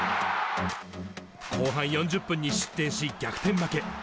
後半４０分に失点し、逆転負け。